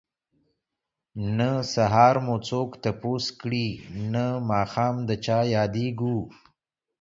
نه سهار مو څوک تپوس کړي نه ماښام د چا ياديږو